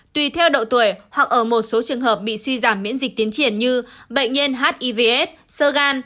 tùy theo độ tuổi hoặc ở một số trường hợp bị suy giảm miễn dịch tiến triển như bệnh nhân hivs sơ gan